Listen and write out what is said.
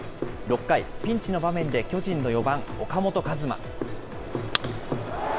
６回、ピンチの場面で巨人の４番岡本和真。